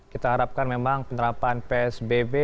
kita harapkan memang penerapan psbb